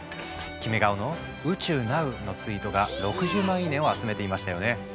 キメ顔の「宇宙なう」のツイートが６０万いいねを集めていましたよね。